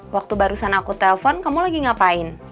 waktu barusan aku telpon kamu lagi ngapain